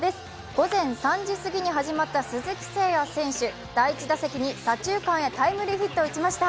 午前３時すぎから始まった試合で鈴木誠也選手第１打席に左中間へタイムリーヒットを打ちました。